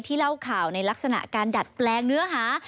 เล่าข่าวในลักษณะการดัดแปลงเนื้อหา